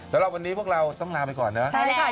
แล้วเราวันนี้พวกเราต้องลาไปก่อนนะ